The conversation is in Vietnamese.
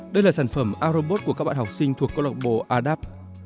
đây là sản phẩm arobot của các bạn học sinh thuộc câu lạc bộ adapt